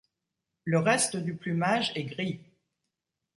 Le reste du plumage est gris.